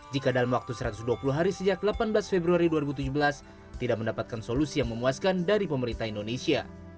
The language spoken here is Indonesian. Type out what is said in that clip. jika dalam waktu satu ratus dua puluh hari sejak delapan belas februari dua ribu tujuh belas tidak mendapatkan solusi yang memuaskan dari pemerintah indonesia